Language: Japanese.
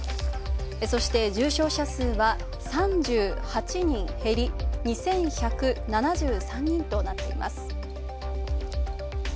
そして、重症者数は３８人減り、２１７３人となっています。